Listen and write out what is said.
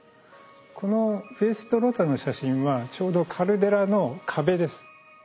このウエスト・ロタの写真はちょうどカルデラの壁です。